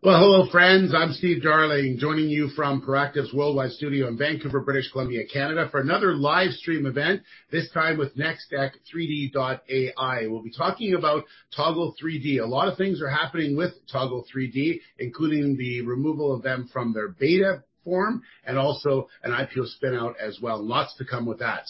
Well, hello, friends. I'm Steve Darling, joining you from Proactive's worldwide studio in Vancouver, British Columbia, Canada, for another live stream event, this time with Nextech3D.ai. We'll be talking about Toggle3D. A lot of things are happening with Toggle3D, including the removal of them from their beta form and also an IPO spin out as well. Lots to come with that.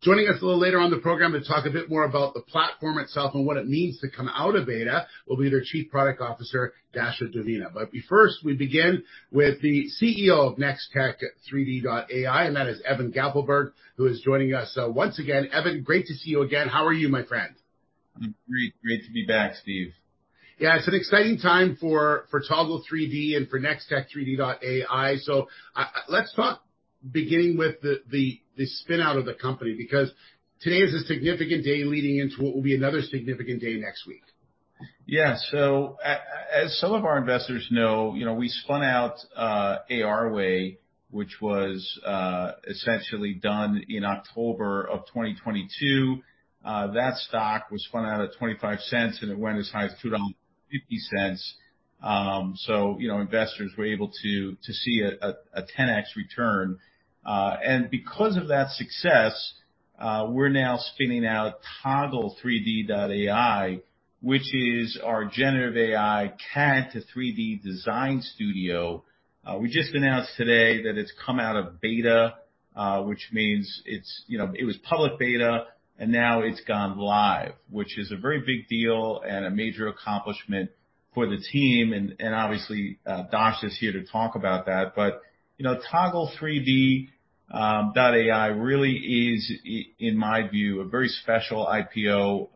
Joining us a little later on the program to talk a bit more about the platform itself and what it means to come out of beta, will be their Chief Product Officer, Dasha Vdovina. First, we begin with the CEO of Nextech3D.ai and that is Evan Gappelberg, who is joining us. Once again, Evan, great to see you again. How are you, my friend? I'm great. Great to be back, Steve. Yeah, it's an exciting time for Toggle3D and for Nextech3D ai. Let's talk, beginning with the spin out of the company, because today is a significant day leading into what will be another significant day next week. As some of our investors know, you know, we spun out ARway.ai, which was essentially done in October of 2022. That stock was spun out at 0.25, and it went as high as 2.50 dollars. Investors were able to see a 10x return. Because of that success, we're now spinning out Toggle3D ai, which is our generative AI CAD to 3D design studio. We just announced today that it's come out of beta, which means it's, you know, it was public beta, and now it's gone live, which is a very big deal and a major accomplishment for the team, and obviously, Dasha is here to talk about that. You know, Toggle3D ai really is in my view, a very special IPO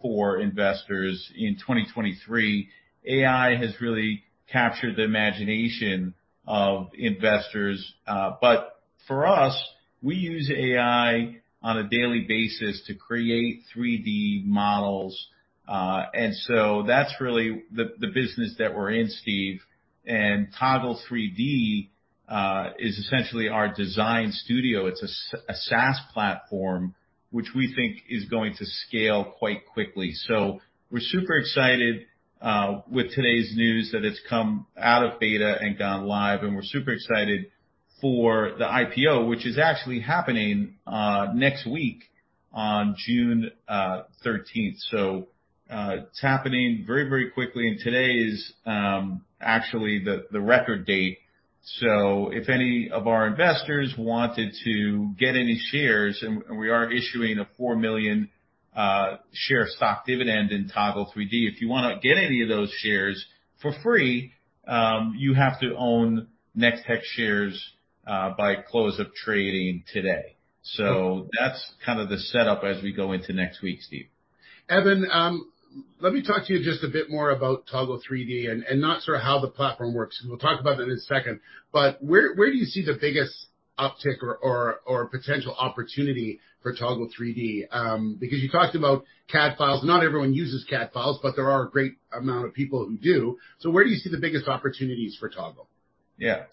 for investors in 2023. AI has really captured the imagination of investors, but for us, we use AI on a daily basis to create 3D models. That's really the business that we're in, Steve, and Toggle3D is essentially our design studio. It's a SaaS platform, which we think is going to scale quite quickly. We're super excited with today's news that it's come out of beta and gone live, and we're super excited for the IPO, which is actually happening next week on June 13th. It's happening very, very quickly, and today is actually the record date. If any of our investors wanted to get any shares, and we are issuing a 4 million share stock dividend in Toggle3D. If you want to get any of those shares for free, you have to own Nextech shares by close of trading today. That's kind of the setup as we go into next week, Steve. Evan, let me talk to you just a bit more about Toggle3D and not sort of how the platform works. We'll talk about that in a second. Where do you see the biggest uptick or potential opportunity for Toggle3D? Because you talked about CAD files. Not everyone uses CAD files, but there are a great amount of people who do. Where do you see the biggest opportunities for Toggle? Yeah.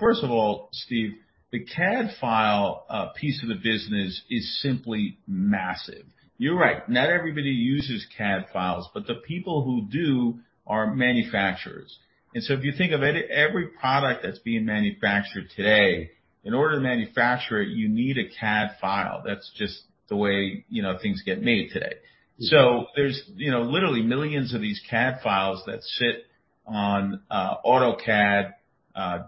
First of all, Steve, the CAD file piece of the business is simply massive. You're right, not everybody uses CAD files, but the people who do are manufacturers. If you think of it, every product that's being manufactured today, in order to manufacture it, you need a CAD file. That's just the way, you know, things get made today. There's, you know, literally millions of these CAD files that sit on AutoCAD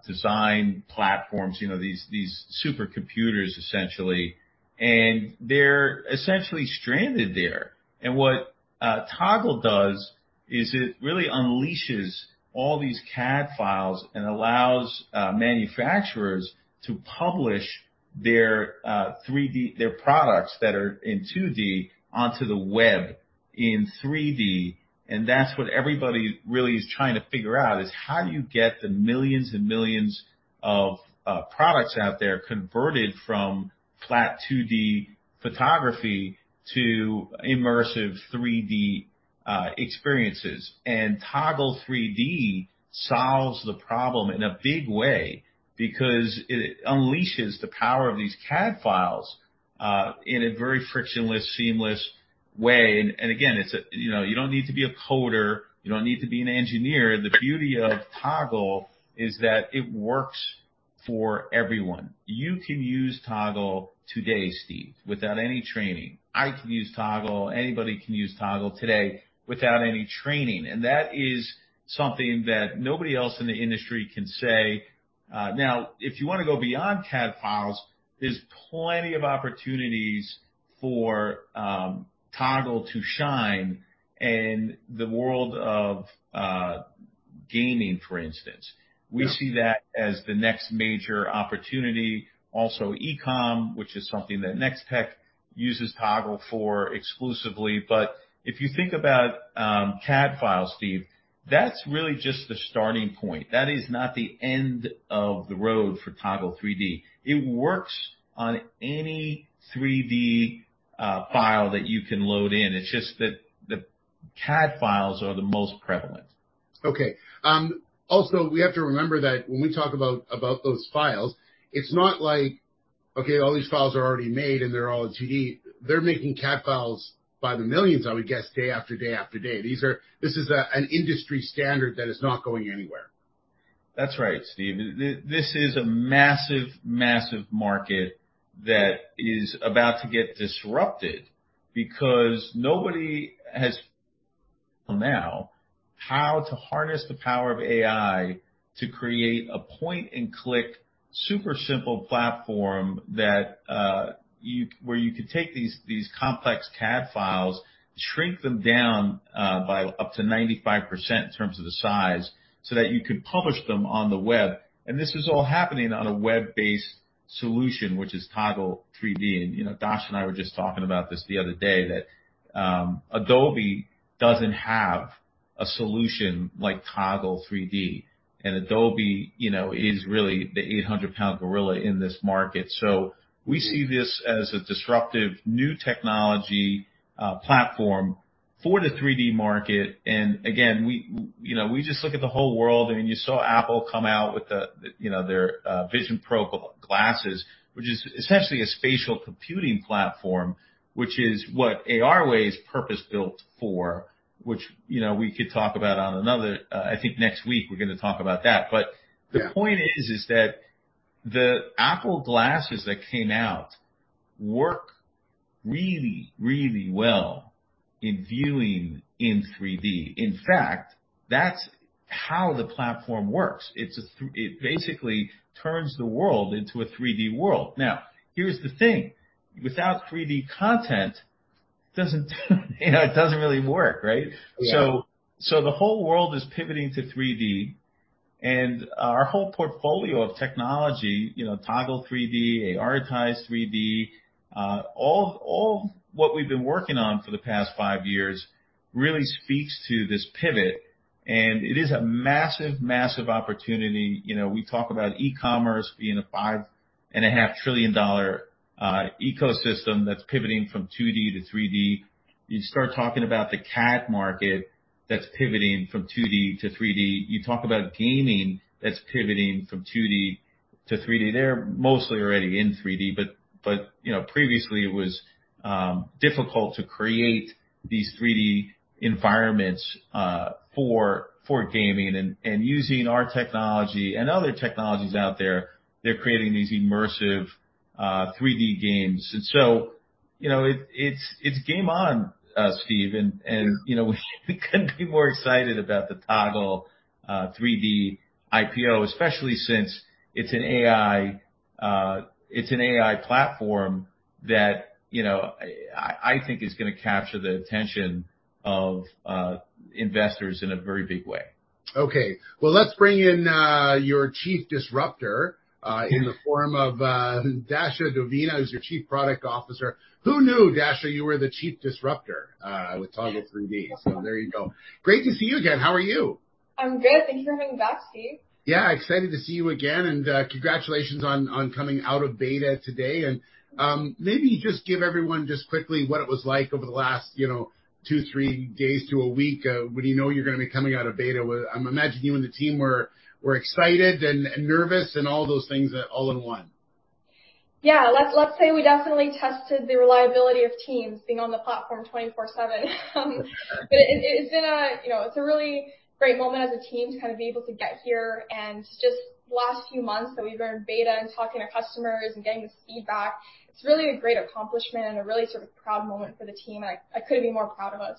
design platforms, you know, these supercomputers, essentially, and they're essentially stranded there. What Toggle does is it really unleashes all these CAD files and allows manufacturers to publish their products that are in 2D onto the web in 3D, and that's what everybody really is trying to figure out, is how do you get the millions and millions of products out there converted from flat 2D photography to immersive 3D experiences? Toggle3D solves the problem in a big way because it unleashes the power of these CAD files in a very frictionless, seamless way. Again, you know, you don't need to be a coder. You don't need to be an engineer. The beauty of Toggle is that it works for everyone. You can use Toggle today, Steve, without any training. I can use Toggle. Anybody can use Toggle today without any training, and that is something that nobody else in the industry can say. Now, if you want to go beyond CAD files, there's plenty of opportunities for Toggle to shine in the world of gaming, for instance. Yeah. We see that as the next major opportunity. e-com, which is something that Nextech uses Toggle for exclusively. If you think about CAD files, Steve, that's really just the starting point. That is not the end of the road for Toggle3D. It works on any 3D file that you can load in. It's just that the CAD files are the most prevalent. Okay. Also, we have to remember that when we talk about those files, Okay, all these files are already made, and they're all in 2D. They're making CAD files by the millions, I would guess, day after day after day. This is an industry standard that is not going anywhere. That's right, Steve. This is a massive market that is about to get disrupted because nobody has, until now, how to harness the power of AI to create a point-and-click, super simple platform where you can take these complex CAD files, shrink them down by up to 95% in terms of the size, so that you can publish them on the web. This is all happening on a web-based solution, which is Toggle3D. You know, Dasha and I were just talking about this the other day, that Adobe doesn't have a solution like Toggle3D, and Adobe, you know, is really the 800 lbs gorilla in this market. We see this as a disruptive, new technology platform for the 3D market. Again, we, you know, we just look at the whole world, and you saw Apple come out with the, you know, their Vision Pro glasses, which is essentially a spatial computing platform, which is what ARway.ai is purpose-built for, which, you know, we could talk about on another... I think next week we're going to talk about that. Yeah. The point is that the Apple Glasses that came out work really well in viewing in 3D. In fact, that's how the platform works. It basically turns the world into a 3D world. Now, here's the thing: without 3D content, it doesn't, you know, it doesn't really work, right? Yeah. The whole world is pivoting to 3D. Our whole portfolio of technology, you know, Toggle3D, ARitize3D, all what we've been working on for the past 5 years really speaks to this pivot, and it is a massive opportunity. You know, we talk about e-commerce being a $5.5 trillion ecosystem that's pivoting from 2D to 3D. You start talking about the CAD market that's pivoting from 2D to 3D. You talk about gaming that's pivoting from 2D to 3D. They're mostly already in 3D, but, you know, previously, it was difficult to create these 3D environments for gaming. Using our technology and other technologies out there, they're creating these immersive 3D games. You know, it's game on, Steve, and, you know, we couldn't be more excited about the Toggle3D IPO, especially since it's an AI, it's an AI platform that, you know, I think is going to capture the attention of investors in a very big way. Okay. Well, let's bring in your chief disruptor in the form of Dasha Vdovina, who's your Chief Product Officer. Who knew, Dasha, you were the chief disruptor with Toggle3D? There you go. Great to see you again. How are you? I'm good. Thank you for having me back, Steve. Yeah, excited to see you again. Congratulations on coming out of beta today. Maybe just give everyone just quickly what it was like over the last, you know, 2, 3 days to a week, when you know you're going to be coming out of beta. I'm imagining you and the team were excited and nervous, and all those things, all in one. Yeah. Let's say we definitely tested the reliability of teams being on the platform 24/7. You know, it's a really great moment as a team to kind of be able to get here. Just the last few months that we've been in beta and talking to customers and getting this feedback, it's really a great accomplishment and a really sort of proud moment for the team. I couldn't be more proud of us.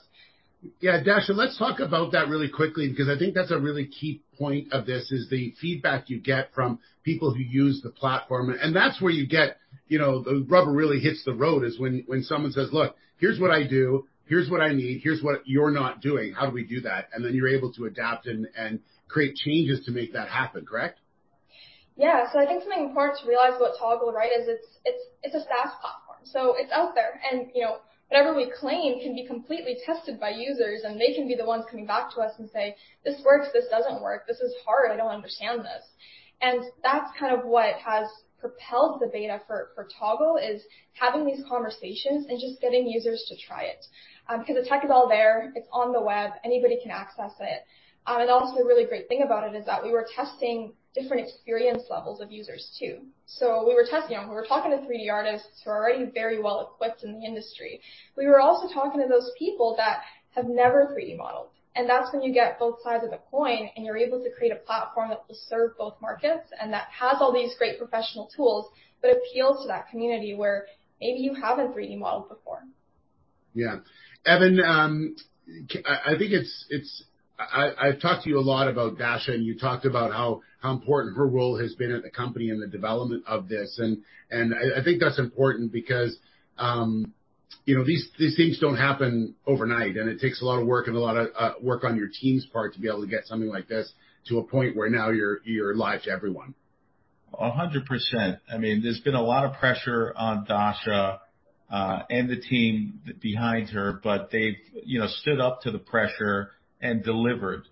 Yeah, Dasha, let's talk about that really quickly, because I think that's a really key point of this, is the feedback you get from people who use the platform. That's where you get... you know, the rubber really hits the road, is when someone says: "Look, here's what I do, here's what I need, here's what you're not doing. How do we do that?" Then you're able to adapt and create changes to make that happen, correct? I think something important to realize about Toggle, right, is it's a SaaS platform, so it's out there. You know, whatever we claim can be completely tested by users, and they can be the ones coming back to us and say, "This works. This doesn't work. This is hard. I don't understand this." That's kind of what has propelled the beta for Toggle, is having these conversations and just getting users to try it. Because the tech is all there, it's on the web, anybody can access it. Also, a really great thing about it is that we were testing different experience levels of users, too. We were talking to 3D artists who are already very well equipped in the industry. We were also talking to those people that have never 3D modeled, and that's when you get both sides of the coin, and you're able to create a platform that will serve both markets and that has all these great professional tools, but appeals to that community where maybe you haven't 3D modeled before. Yeah. Evan, I think I've talked to you a lot about Dasha, and you talked about how important her role has been at the company and the development of this. And I think that's important because, you know, these things don't happen overnight, and it takes a lot of work and a lot of work on your team's part to be able to get something like this to a point where now you're live to everyone. A hundred percent. I mean, there's been a lot of pressure on Dasha and the team behind her, but they've, you know, stood up to the pressure and delivered.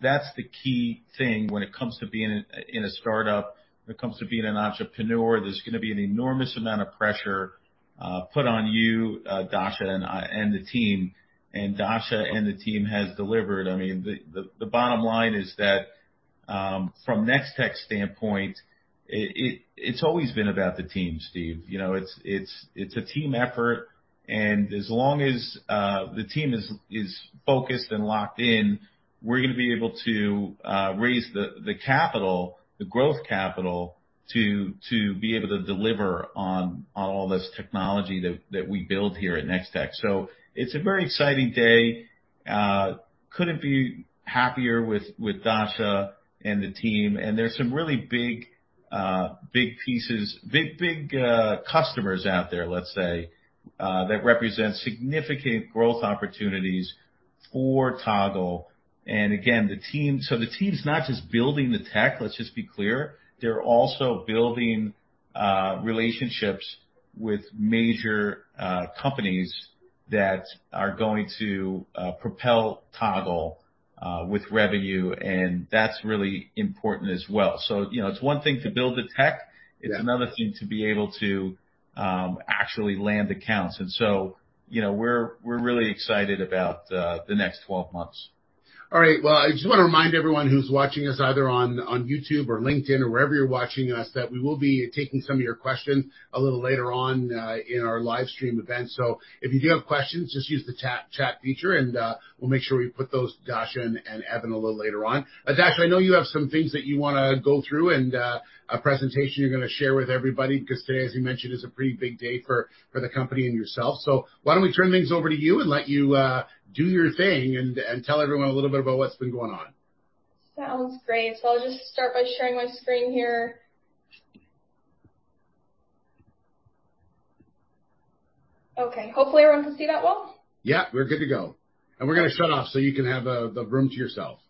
That's the key thing when it comes to being in a startup, when it comes to being an entrepreneur. There's going to be an enormous amount of pressure put on you, Dasha and the team, and Dasha and the team has delivered. I mean, the, the bottom line. From Nextech standpoint, it, it's always been about the team, Steve. You know, it's a team effort, and as long as the team is focused and locked in, we're gonna be able to raise the capital, the growth capital, to be able to deliver on all this technology that we build here at Nextech. It's a very exciting day. Couldn't be happier with Dasha and the team, and there's some really big big pieces, big customers out there, let's say, that represent significant growth opportunities for Toggle. Again, the team, so the team's not just building the tech, let's just be clear, they're also building relationships with major companies that are going to propel Toggle with revenue, and that's really important as well. You know, it's one thing to build the tech- Yeah. it's another thing to be able to, actually land accounts. You know, we're really excited about the next 12 months. All right. Well, I just want to remind everyone who's watching us, either on YouTube or LinkedIn or wherever you're watching us, that we will be taking some of your questions a little later on in our live stream event. If you do have questions, just use the chat feature, and we'll make sure we put those to Dasha and Evan a little later on. Dasha, I know you have some things that you want to go through and a presentation you're going to share with everybody, because today, as you mentioned, is a pretty big day for the company and yourself. Why don't we turn things over to you and let you do your thing and tell everyone a little bit about what's been going on? Sounds great. I'll just start by sharing my screen here. Okay. Hopefully, everyone can see that well? Yeah, we're good to go. We're gonna shut off so you can have the room to yourself.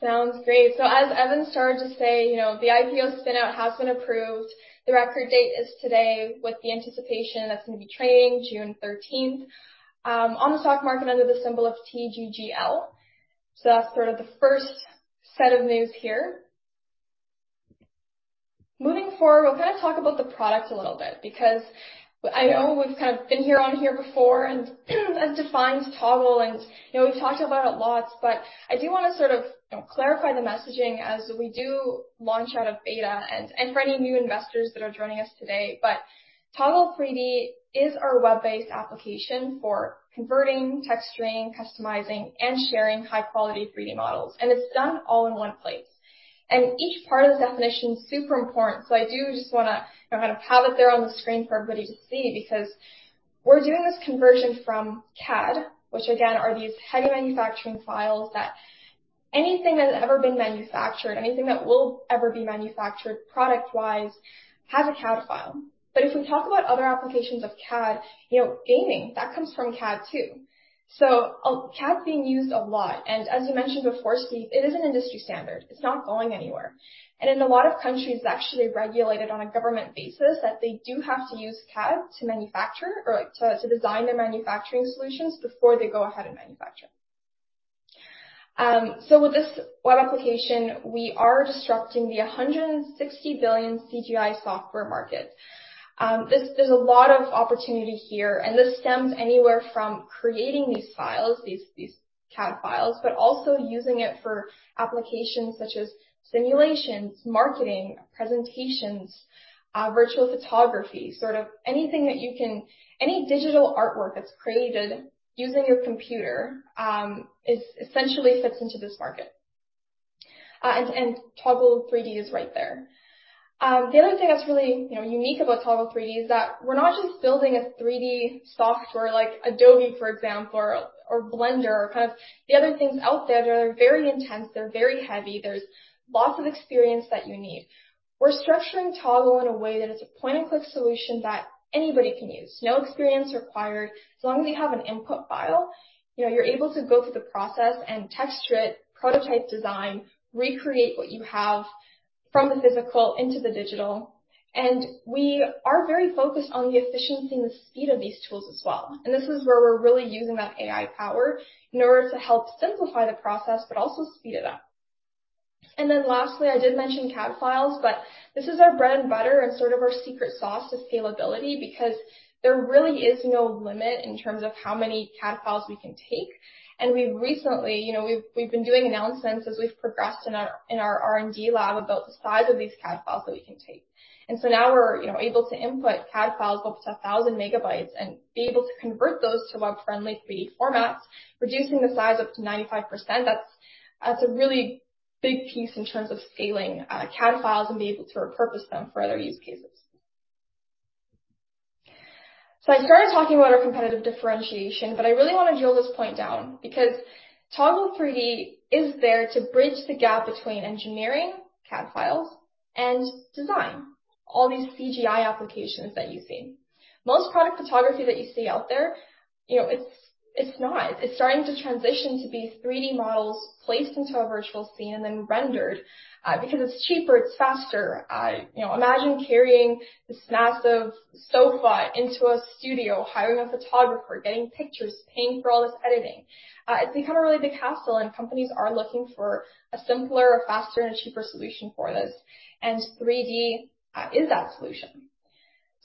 Sounds great. As Evan started to say, you know, the IPO spin-out has been approved. The record date is today, with the anticipation that's gonna be trading June thirteenth on the stock market under the symbol of TGGL. That's sort of the first set of news here. Moving forward, we'll kind of talk about the product a little bit because I know we've kind of been here on here before and defined Toggle and, you know, we've talked about it a lot, but I do wanna sort of, you know, clarify the messaging as we do launch out of beta and for any new investors that are joining us today. Toggle3D is our web-based application for converting, texturing, customizing, and sharing high-quality 3D models, and it's done all in one place. Each part of the definition is super important, so I do just wanna, you know, kind of have it there on the screen for everybody to see, because we're doing this conversion from CAD, which again, are these heavy manufacturing files that anything that has ever been manufactured, anything that will ever be manufactured product-wise, has a CAD file. If we talk about other applications of CAD, you know, gaming, that comes from CAD, too. CAD is being used a lot, and as you mentioned before, Steve, it is an industry standard. It's not going anywhere. In a lot of countries, it's actually regulated on a government basis, that they do have to use CAD to manufacture or to design their manufacturing solutions before they go ahead and manufacture. With this web application, we are disrupting the $160 billion CGI software market. There's a lot of opportunity here, and this stems anywhere from creating these files, these CAD files, but also using it for applications such as simulations, marketing, presentations, virtual photography. Any digital artwork that's created using your computer is essentially fits into this market. Toggle3D is right there. The other thing that's really, you know, unique about Toggle3D is that we're not just building a 3D software like Adobe, for example, or Blender or kind of the other things out there that are very intense, they're very heavy, there's lots of experience that you need. We're structuring Toggle in a way that it's a point-and-click solution that anybody can use. No experience required. As long as you have an input file, you know, you're able to go through the process and texture it, prototype design, recreate what you have from the physical into the digital, we are very focused on the efficiency and the speed of these tools as well. This is where we're really using that AI power in order to help simplify the process, but also speed it up. Lastly, I did mention CAD files, but this is our bread and butter and sort of our secret sauce to scalability because there really is no limit in terms of how many CAD files we can take. We've recently, you know, we've been doing announcements as we've progressed in our R&D lab about the size of these CAD files that we can take. Now we're, you know, able to input CAD files up to 1,000 megabytes and be able to convert those to web-friendly 3D formats, reducing the size up to 95%. That's a really big piece in terms of scaling CAD files and being able to repurpose them for other use cases. I started talking about our competitive differentiation, but I really want to drill this point down because Toggle3D is there to bridge the gap between engineering, CAD files, and design. All these CGI applications that you've seen. Most product photography that you see out there, you know, it's not. It's starting to transition to these 3D models placed into a virtual scene and then rendered because it's cheaper, it's faster. You know, imagine carrying this massive sofa into a studio, hiring a photographer, getting pictures, paying for all this editing. It's become a really big hassle, and companies are looking for a simpler, a faster, and a cheaper solution for this. 3D is that solution.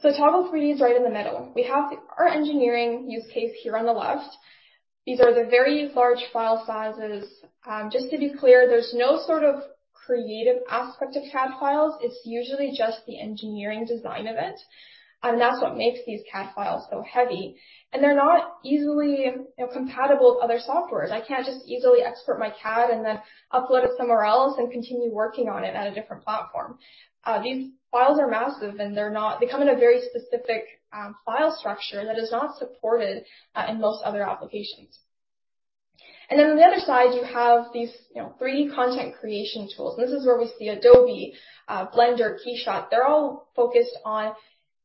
Toggle3D is right in the middle. We have our engineering use case here on the left. These are the very large file sizes. Just to be clear, there's no sort of creative aspect of CAD files. It's usually just the engineering design of it, and that's what makes these CAD files so heavy, and they're not easily, you know, compatible with other softwares. I can't just easily export my CAD and then upload it somewhere else and continue working on it at a different platform. These files are massive, and they come in a very specific file structure that is not supported in most other applications. On the other side, you have these, you know, 3D content creation tools. This is where we see Adobe, Blender, KeyShot.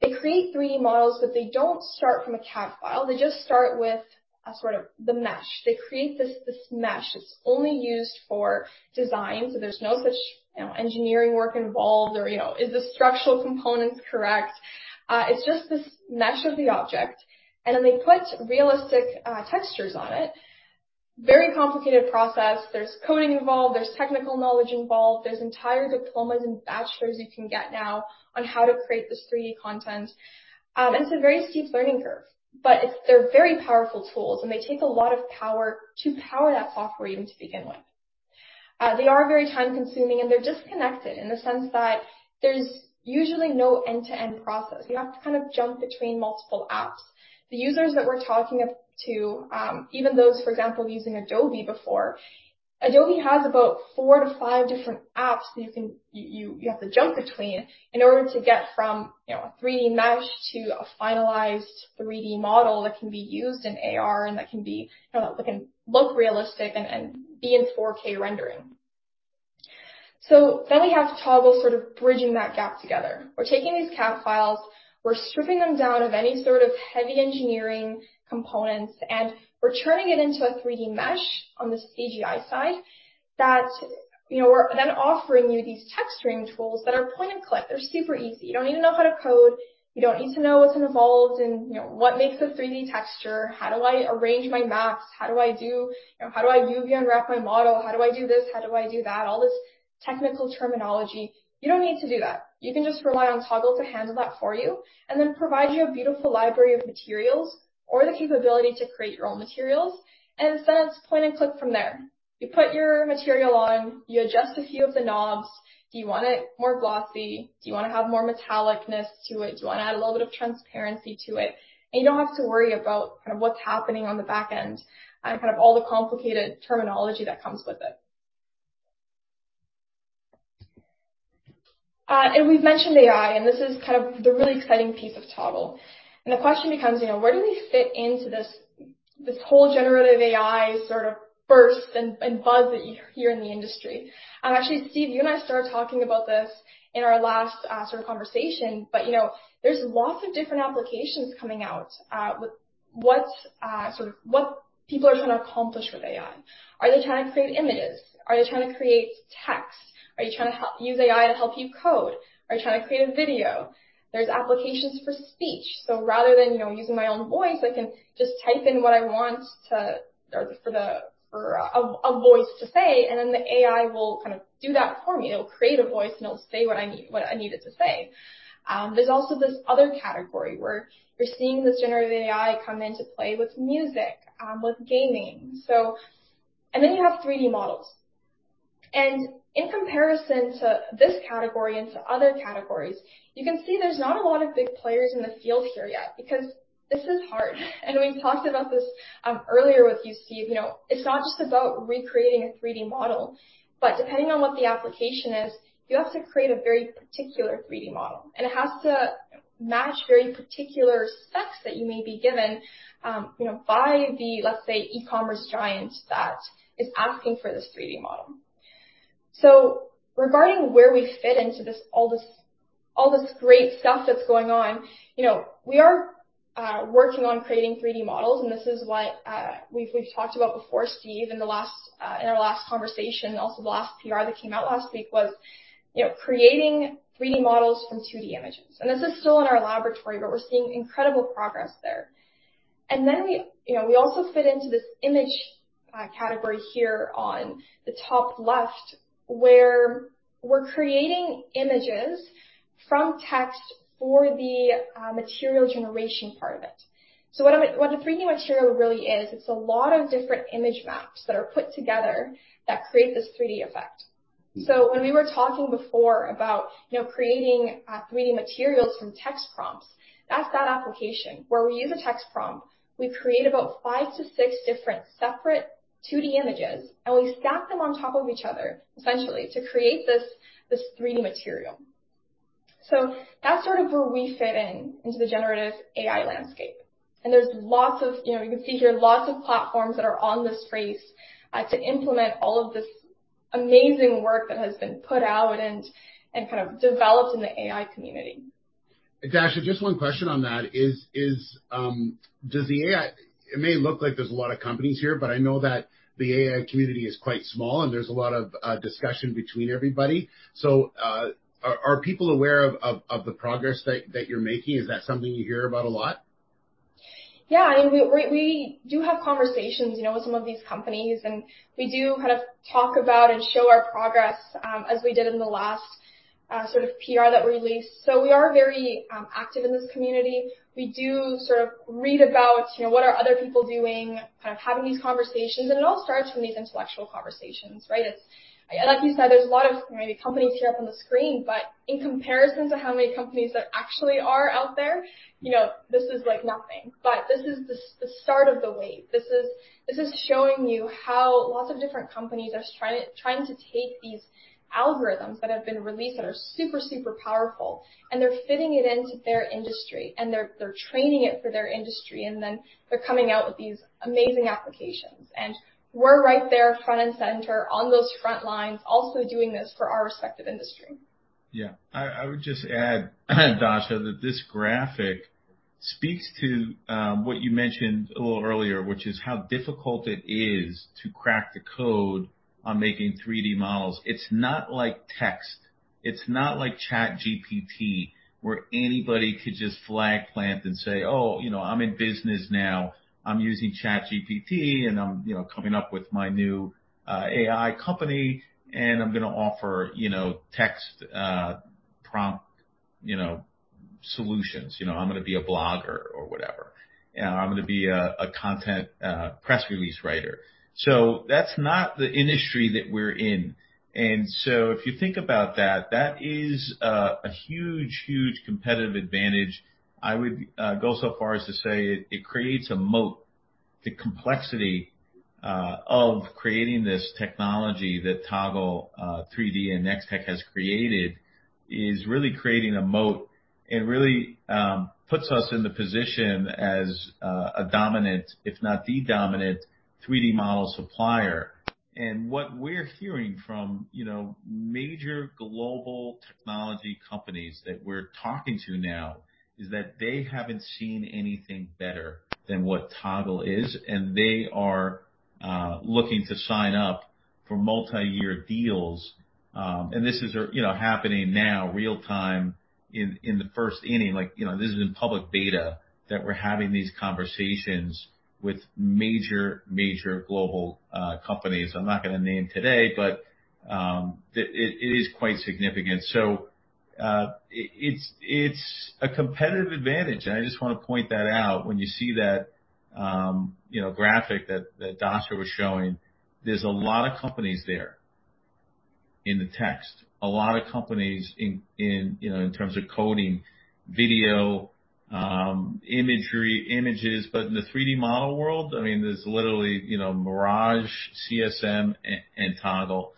They create 3D models, but they don't start from a CAD file. They just start with a sort of the mesh. They create this mesh. It's only used for design, so there's no such, you know, engineering work involved or, you know, is the structural components correct? It's just this mesh of the object, they put realistic textures on it. Very complicated process. There's coding involved, there's technical knowledge involved, there's entire diplomas and bachelor's you can get now on how to create this 3D content. And it's a very steep learning curve, but they're very powerful tools, and they take a lot of power to power that software even to begin with. They are very time-consuming, and they're disconnected in the sense that there's usually no end-to-end process. You have to kind of jump between multiple apps. The users that we're talking of to, even those, for example, using Adobe before, Adobe has about 4-5 different apps that you have to jump between in order to get from, you know, a 3D mesh to a finalized 3D model that can be used in AR and that can be, you know, that can look realistic and be in 4K rendering. We have Toggle sort of bridging that gap together. We're taking these CAD files, we're stripping them down of any sort of heavy engineering components, and we're turning it into a 3D mesh on the CGI side that, you know, we're then offering you these texturing tools that are point-and-click. They're super easy. You don't need to know how to code. You don't need to know what's involved in, you know, what makes a 3D texture? How do I arrange my maps? You know, how do I UV unwrap my model? How do I do this? How do I do that? All this technical terminology. You don't need to do that. You can just rely on Toggle to handle that for you and then provide you a beautiful library of materials or the capability to create your own materials, and in a sense, point and click from there. You put your material on, you adjust a few of the knobs. Do you want it more glossy? Do you wanna have more metallicness to it? Do you wanna add a little bit of transparency to it? You don't have to worry about kind of what's happening on the back end and kind of all the complicated terminology that comes with it. We've mentioned AI, and this is kind of the really exciting piece of Toggle. The question becomes, you know, where do we fit into this whole generative AI sort of burst and buzz that you hear in the industry? Actually, Steve, you and I started talking about this in our last sort of conversation, but, you know, there's lots of different applications coming out with what sort of what people are trying to accomplish with AI. Are they trying to create images? Are they trying to create text? Are you trying to use AI to help you code? Are you trying to create a video? There's applications for speech. Rather than, you know, using my own voice, I can just type in what I want to, or for the, for a voice to say, and then the AI will kind of do that for me. It'll create a voice, and it'll say what I need it to say. There's also this other category where you're seeing this generative AI come into play with music, with gaming. Then you have 3D models. In comparison to this category and to other categories, you can see there's not a lot of big players in the field here yet because this is hard. We've talked about this earlier with you, Steve. You know, it's not just about recreating a 3D model, but depending on what the application is, you have to create a very particular 3D model, and it has to match very particular specs that you may be given, you know, by the, let's say, e-commerce giant that is asking for this 3D model. Regarding where we fit into this, all this great stuff that's going on, you know, we are working on creating 3D models, and this is what we've talked about before, Steve, in the last in our last conversation, and also the last PR that came out last week was, you know, creating 3D models from 2D images. This is still in our laboratory, but we're seeing incredible progress there. We, you know, we also fit into this image category here on the top left, where we're creating images from text for the material generation part of it. What the 3D material really is, it's a lot of different image maps that are put together that create this 3D effect. When we were talking before about, you know, creating 3D materials from text prompts, that's that application, where we use a text prompt. We create about 5 to 6 different separate 2D images, and we stack them on top of each other, essentially, to create this 3D material. That's sort of where we fit in into the generative AI landscape. There's lots of, you know, you can see here lots of platforms that are on this space, to implement all of this amazing work that has been put out and kind of developed in the AI community. Dasha, just one question on that. It may look like there's a lot of companies here, but I know that the AI community is quite small, and there's a lot of discussion between everybody. Are people aware of the progress that you're making? Is that something you hear about a lot?... Yeah, I mean, we do have conversations, you know, with some of these companies, and we do kind of talk about and show our progress, as we did in the last sort of PR that we released. We are very active in this community. We do sort of read about, you know, what are other people doing, kind of having these conversations, and it all starts from these intellectual conversations, right? Like you said, there's a lot of maybe companies here up on the screen, but in comparison to how many companies there actually are out there, you know, this is like nothing. This is the start of the wave. This is showing you how lots of different companies are trying to take these algorithms that have been released, that are super powerful, and they're fitting it into their industry, and they're training it for their industry, and then they're coming out with these amazing applications. We're right there, front and center on those front lines, also doing this for our respective industry. Yeah. I would just add, Dasha, that this graphic speaks to what you mentioned a little earlier, which is how difficult it is to crack the code on making 3D models. It's not like text. It's not like ChatGPT, where anybody could just flag plant and say: Oh, you know, I'm in business now. I'm using ChatGPT, and I'm, you know, coming up with my new AI company, and I'm gonna offer, you know, text, prompt, you know, solutions. You know, I'm gonna be a blogger or whatever. You know, I'm gonna be a content, press release writer. That's not the industry that we're in. If you think about that is a huge, huge competitive advantage. I would go so far as to say it creates a moat. The complexity of creating this technology that Toggle3D and Nextech has created is really creating a moat and really puts us in the position as a dominant, if not the dominant, 3D model supplier. What we're hearing from, you know, major global technology companies that we're talking to now is that they haven't seen anything better than what Toggle is, and they are looking to sign up for multi-year deals. This is, you know, happening now, real time, in the first inning. Like, you know, this is in public beta, that we're having these conversations with major global companies. I'm not gonna name today, but it, it is quite significant. It, it's a competitive advantage, and I just want to point that out. When you see that, you know, graphic that Dasha was showing, there's a lot of companies there in the text, a lot of companies in, you know, in terms of coding, video, imagery, images. In the 3D model world, I mean, there's literally, you know, Mirage, CSM, and Toggle.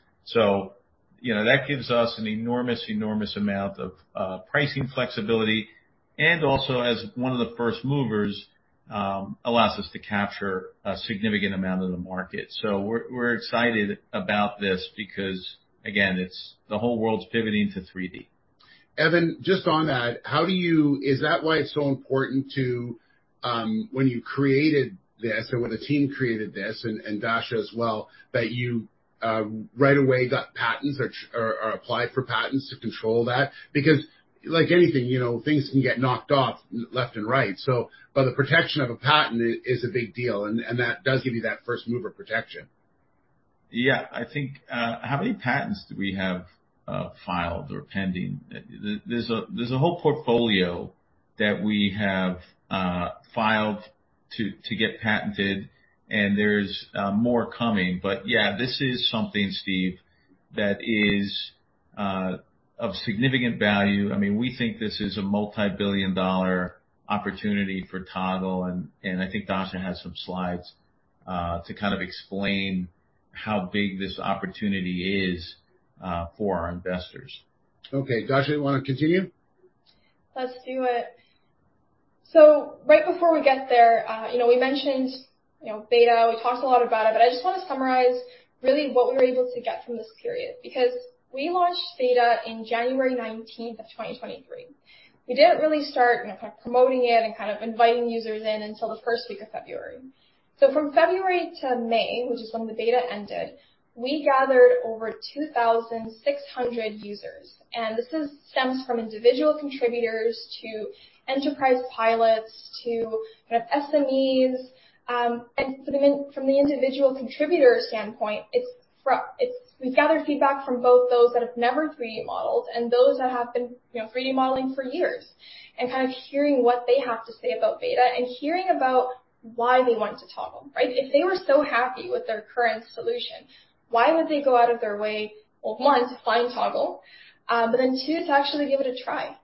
You know, that gives us an enormous amount of pricing flexibility, and also, as one of the first movers, allows us to capture a significant amount of the market. We're excited about this because, again, it's the whole world's pivoting to 3D. Evan, just on that, Is that why it's so important to, when you created this, or when the team created this, and Dasha as well, that you, right away, got patents or applied for patents to control that? Like anything, you know, things can get knocked off left and right, so, but the protection of a patent is a big deal, and that does give you that first mover protection. Yeah. I think, how many patents do we have filed or pending? There's a whole portfolio that we have filed to get patented, and there's more coming, but yeah, this is something, Steve, that is of significant value. I mean, we think this is a multi-billion dollar opportunity for Toggle, and I think Dasha has some slides to kind of explain how big this opportunity is for our investors. Okay. Dasha, you want to continue? Let's do it. Right before we get there, you know, we mentioned, you know, beta, we talked a lot about it, but I just want to summarize really what we were able to get from this period, because we launched beta in January 19th of 2023. We didn't really start, you know, kind of promoting it and kind of inviting users in until the first week of February. From February to May, which is when the beta ended, we gathered over 2,600 users, and this stems from individual contributors to enterprise pilots to kind of SMEs. From the individual contributor standpoint, it's we've gathered feedback from both those that have never 3D modeled and those that have been, you know, 3D modeling for years, and kind of hearing what they have to say about beta and hearing about why they wanted to Toggle, right? If they were so happy with their current solution, why would they go out of their way, well, 1, to find Toggle, but then, 2, to actually give it a try.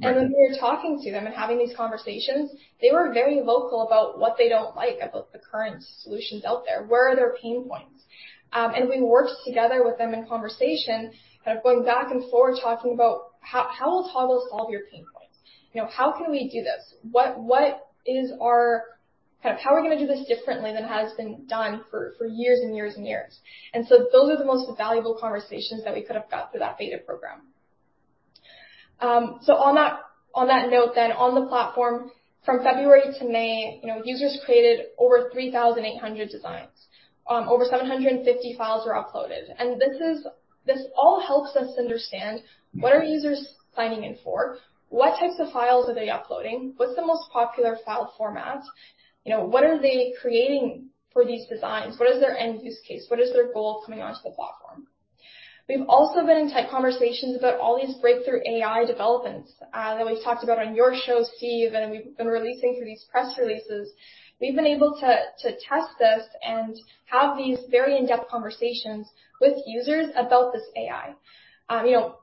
Mm-hmm. When we were talking to them and having these conversations, they were very vocal about what they don't like about the current solutions out there. Where are their pain points? And we worked together with them in conversation, kind of going back and forth, talking about: How will Toggle solve your pain points? You know, how can we do this? Kind of how are we gonna do this differently than has been done for years and years and years? Those are the most valuable conversations that we could have got through that beta program. On that note, then on the platform, from February to May, you know, users created over 3,800 designs. Over 750 files were uploaded. This all helps us understand: What are users signing in for? What types of files are they uploading? What's the most popular file format? You know, what are they creating for these designs? What is their end use case? What is their goal coming onto the platform? We've also been in tight conversations about all these breakthrough AI developments that we've talked about on your show, Steve. We've been releasing through these press releases. We've been able to test this and have these very in-depth conversations with users about this AI. You know,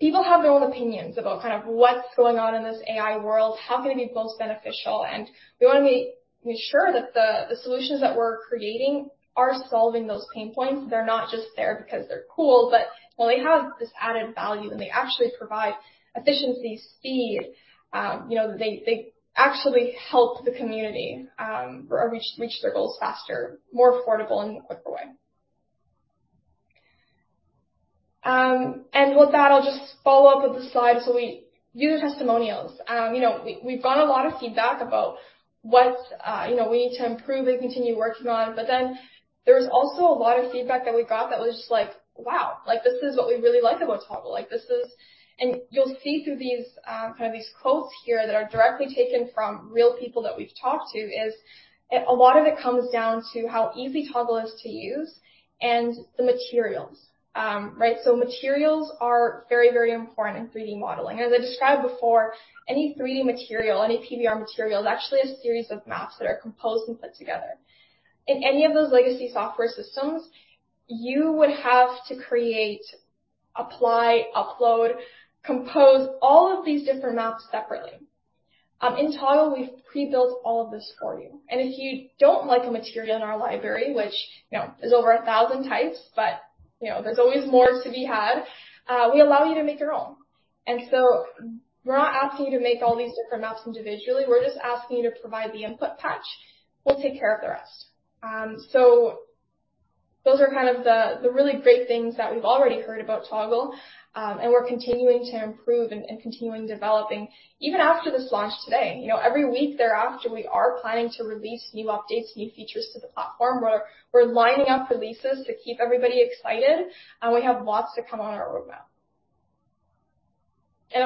people have their own opinions about kind of what's going on in this AI world, how can it be most beneficial, and we wanna make sure that the solutions that we're creating are solving those pain points. They're not just there because they're cool, when they have this added value, and they actually provide efficiency, speed, you know, they actually help the community, or reach their goals faster, more affordable, and quicker way. With that, I'll just follow up with the slide. User testimonials. You know, we've got a lot of feedback about what, you know, we need to improve and continue working on, there was also a lot of feedback that we got that was just like, "Wow! Like, this is what we really like about Toggle. Like, this is..." You'll see through these, kind of these quotes here that are directly taken from real people that we've talked to, is, a lot of it comes down to how easy Toggle is to use and the materials. Right? Materials are very, very important in 3D modeling. As I described before, any 3D material, any PBR material, is actually a series of maps that are composed and put together. In any of those legacy software systems, you would have to create, apply, upload, compose all of these different maps separately. In Toggle, we've pre-built all of this for you, and if you don't like a material in our library, which, you know, is over 1,000 types, but, you know, there's always more to be had, we allow you to make your own. We're not asking you to make all these different maps individually. We're just asking you to provide the input patch. We'll take care of the rest. Those are kind of the really great things that we've already heard about Toggle, and we're continuing to improve and continuing developing even after this launch today. You know, every week thereafter, we are planning to release new updates, new features to the platform. We're, we're lining up releases to keep everybody excited, and we have lots to come on our roadmap.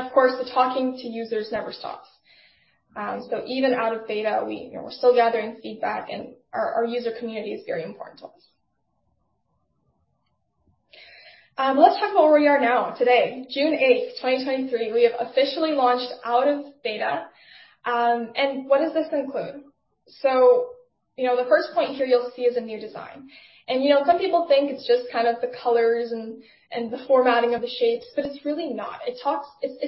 Of course, the talking to users never stops. Even out of beta, we, you know, we're still gathering feedback, and our user community is very important to us. Let's talk about where we are now, today, June 8, 2023, we have officially launched out of beta. What does this include? You know, the first point here you'll see is a new design. You know, some people think it's just kind of the colors and the formatting of the shapes, but it's really not. It's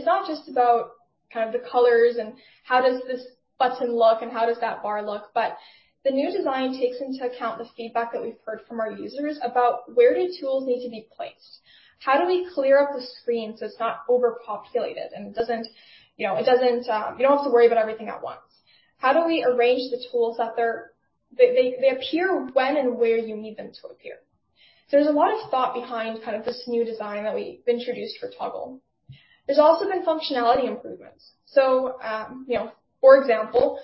not just about kind of the colors and how does this button look and how does that bar look, but the new design takes into account the feedback that we've heard from our users about where do tools need to be placed? How do we clear up the screen so it's not overpopulated, and it doesn't, you know, you don't have to worry about everything at once. How do we arrange the tools that they appear when and where you need them to appear? There's a lot of thought behind kind of this new design that we've introduced for Toggle. There's also been functionality improvements. You know, for example,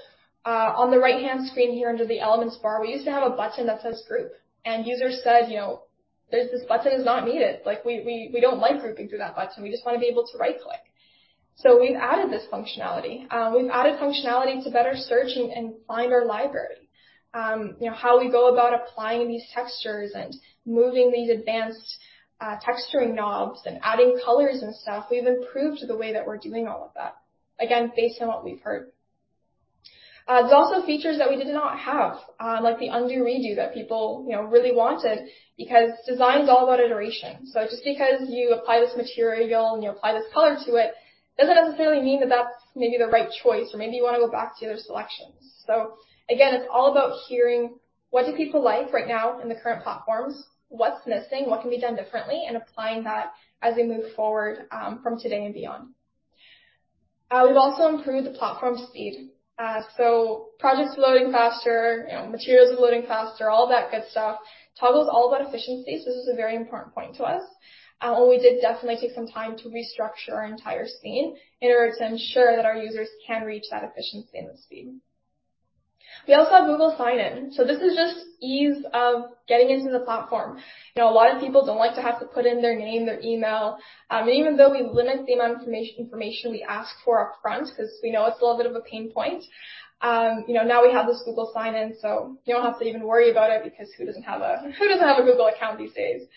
on the right-hand screen here under the elements bar, we used to have a button that says, "Group," and users said, you know, "This button is not needed. Like, we don't like grouping through that button. We just wanna be able to right-click." We've added this functionality. We've added functionality to better search and find our library. You know, how we go about applying these textures and moving these advanced texturing knobs and adding colors and stuff, we've improved the way that we're doing all of that. Again, based on what we've heard. There's also features that we did not have, like the undo, redo that people, you know, really wanted because design is all about iteration. Just because you apply this material and you apply this color to it, doesn't necessarily mean that that's maybe the right choice, or maybe you want to go back to your other selections. Again, it's all about hearing what do people like right now in the current platforms? What's missing? What can be done differently? Applying that as we move forward from today and beyond. We've also improved the platform speed. Projects are loading faster, you know, materials are loading faster, all that good stuff. Toggle3D is all about efficiency, this is a very important point to us. We did definitely take some time to restructure our entire scene in order to ensure that our users can reach that efficiency and the speed. We also have Google Sign-In, this is just ease of getting into the platform. You know, a lot of people don't like to have to put in their name, their email, and even though we limit the amount of information we ask for upfront, 'cause we know it's a little bit of a pain point, you know, now we have this Google Sign-In, so you don't have to even worry about it because who doesn't have a Google account these days?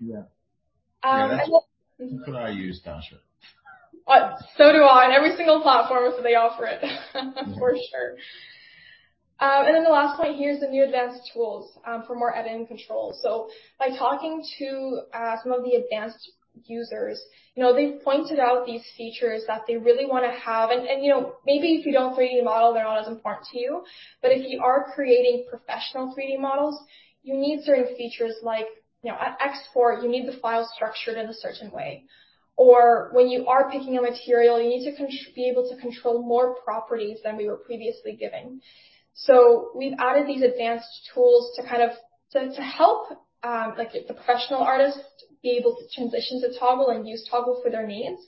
Yeah. Um, and- That's what I use, Dasha. Do I, in every single platform, so they offer it, for sure. The last point here is the new advanced tools for more editing control. By talking to some of the advanced users, you know, they've pointed out these features that they really wanna have. And, you know, maybe if you don't 3D model, they're not as important to you, but if you are creating professional 3D models, you need certain features like, you know, at export, you need the file structured in a certain way, or when you are picking a material, you need to be able to control more properties than we were previously giving. We've added these advanced tools to kind of, to help, like the professional artist be able to transition to Toggle and use Toggle for their needs.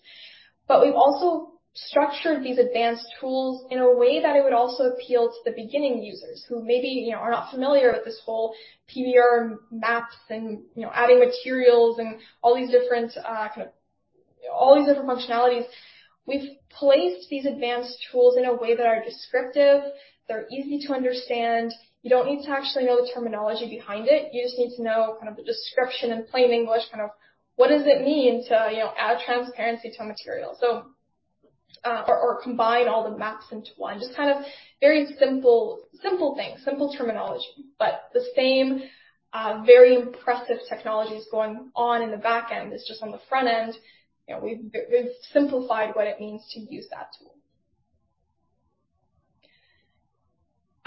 We've also structured these advanced tools in a way that it would also appeal to the beginning users who maybe, you know, are not familiar with this whole PBR maps and, you know, adding materials and all these different functionalities, we've placed these advanced tools in a way that are descriptive, they're easy to understand. You don't need to actually know the terminology behind it. You just need to know kind of the description in plain English, kind of what does it mean to, you know, add transparency to a material? Or combine all the maps into one. Just kind of very simple things, simple terminology, but the same very impressive technologies going on in the back end. It's just on the front end, you know, we've simplified what it means to use that tool.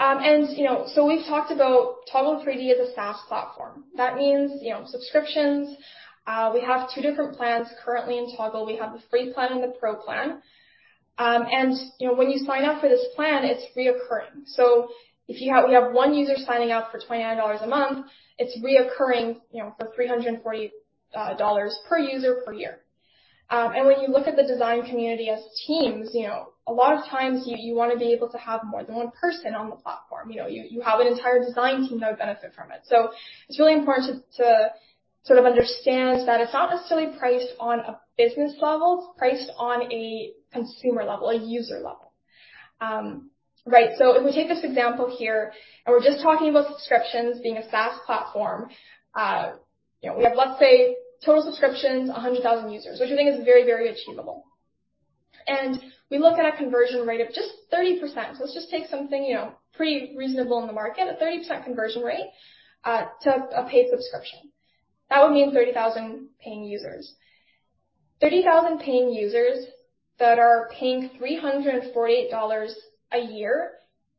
You know, so we've talked about Toggle3D as a SaaS platform. That means, you know, subscriptions. We have two different plans currently in Toggle. We have the free plan and the pro plan. You know, when you sign up for this plan, it's reoccurring. If you have one user signing up for $29 a month, it's reoccurring, you know, for $340 per user per year. When you look at the design community as teams, you know, a lot of times you want to be able to have more than one person on the platform. You know, you have an entire design team that would benefit from it. It's really important to sort of understand that it's not necessarily priced on a business level, it's priced on a consumer level, a user level. Right. If we take this example here, and we're just talking about subscriptions being a SaaS platform, you know, we have, let's say, total subscriptions, 100,000 users, which I think is very, very achievable. We look at a conversion rate of just 30%. Let's just take something, you know, pretty reasonable in the market, a 30% conversion rate to a paid subscription. That would mean 30,000 paying users. 30,000 paying users that are paying $348 a year,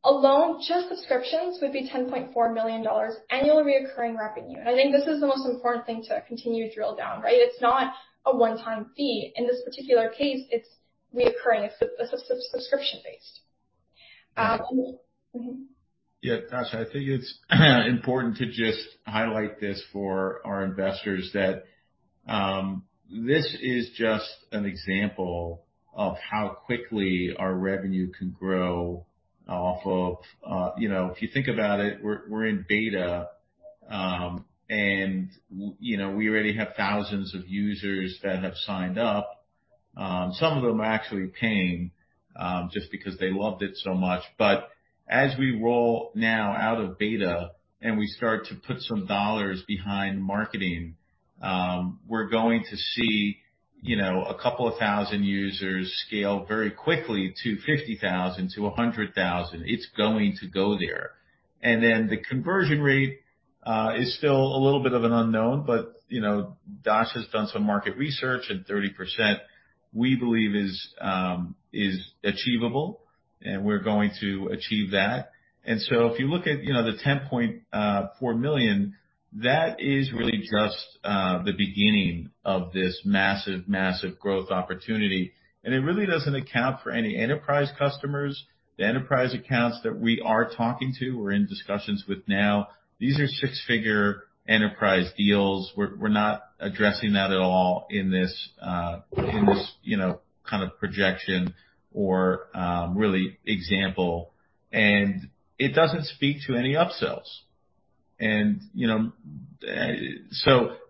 alone, just subscriptions, would be $10.4 million annual recurring revenue. I think this is the most important thing to continue to drill down, right? It's not a one-time fee. In this particular case, it's recurring. It's subscription-based. Yeah, Dasha, I think it's important to just highlight this for our investors, that this is just an example of how quickly our revenue can grow off of. You know, if you think about it, we're in beta, and you know, we already have thousands of users that have signed up. Some of them are actually paying, just because they loved it so much. As we roll now out of beta, and we start to put some dollars behind marketing, we're going to see, you know, a couple of thousand users scale very quickly to 50,000, to 100,000. It's going to go there. The conversion rate, is still a little bit of an unknown, but, you know, Dasha has done some market research, and 30%, we believe, is achievable, and we're going to achieve that. If you look at, you know, the 10.4 million, that is really just the beginning of this massive growth opportunity, and it really doesn't account for any enterprise customers. The enterprise accounts that we are talking to, we're in discussions with now, these are CAD 6-figure enterprise deals. We're not addressing that at all in this, in this, you know, kind of projection or, really example, and it doesn't speak to any upsells. You know,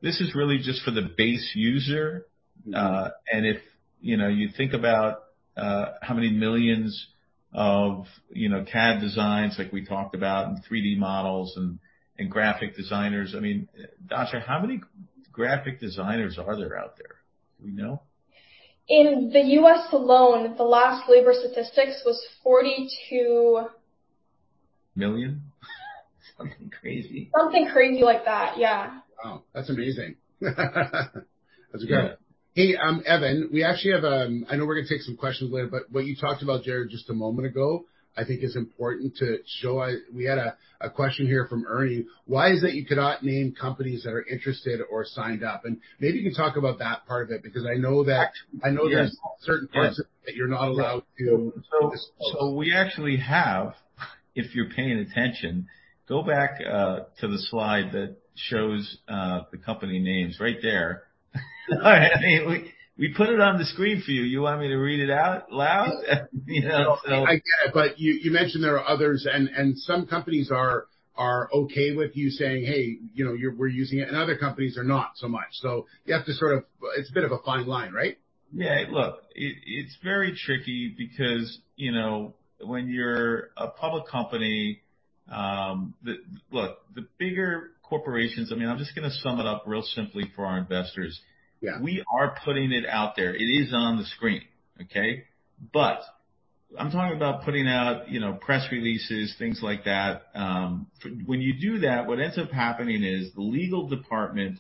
this is really just for the base user. If, you know, you think about, how many millions of, you know, CAD designs like we talked about, and 3D models and graphic designers. I mean, Dasha, how many graphic designers are there out there? Do we know? In the U.S. alone, the last labor statistics was 42- Million? Something crazy. Something crazy like that, yeah. Wow, that's amazing. That's great. Yeah. Hey, Evan, we actually have, I know we're gonna take some questions later, but what you talked about, Jared, just a moment ago, I think is important to show. We had a question here from Ernie: "Why is it you cannot name companies that are interested or signed up?" Maybe you can talk about that part of it, because I know there's Yes certain parts that you're not allowed to disclose. We actually have, if you're paying attention, go back to the slide that shows the company names right there. I mean, we put it on the screen for you. You want me to read it out loud? You know, I get it, but you mentioned there are others, and some companies are okay with you saying, "Hey, you know, we're using it," and other companies are not so much. You have to sort of It's a bit of a fine line, right? Yeah. Look, it's very tricky because, you know, when you're a public company, Look, the bigger corporations, I mean, I'm just gonna sum it up real simply for our investors. Yeah. We are putting it out there. It is on the screen, okay? I'm talking about putting out, you know, press releases, things like that. When you do that, what ends up happening is the legal department